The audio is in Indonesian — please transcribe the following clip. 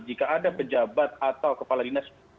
jika ada pejabat atau kepala dinas